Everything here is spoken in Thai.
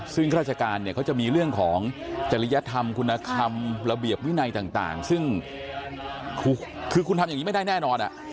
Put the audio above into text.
ซึ่งข้าราชการเนี่ยเขาจะมีเรื่องของจริยธรรมคุณธรรมระเบียบวินัยต่างซึ่งคือคุณทำอย่างนี้ไม่ได้แน่นอน